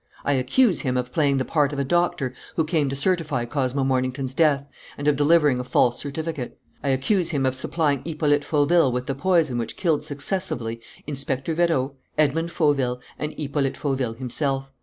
I accuse him of playing the part of a doctor who came to certify Cosmo Mornington's death and of delivering a false certificate. I accuse him of supplying Hippolyte Fauville with the poison which killed successively Inspector Vérot, Edmond Fauville, and Hippolyte Fauville himself.